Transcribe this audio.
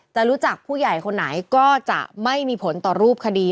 จะรู้จักผู้ใหญ่คนไหนก็จะไม่มีผลต่อรูปคดี